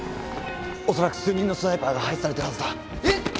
おそらく数人のスナイパーが配置されてるはずだ。えっ！？